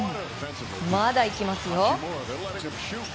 まだ行きますよ。